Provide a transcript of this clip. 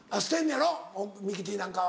やろミキティなんかは。